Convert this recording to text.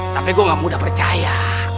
tapi gue gak mudah percaya